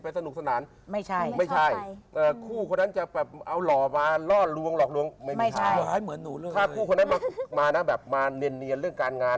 ถ้าคู่คนนั้นมาเนียนเรื่องการงาน